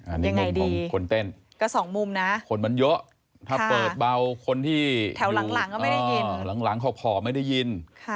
อันนี้มุมของคนเต้นคนมันเยอะถ้าเปิดเบาคนที่อยู่หลังเขาผ่อไม่ได้ยิน